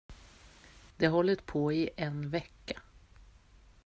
Det har hållit på i en vecka.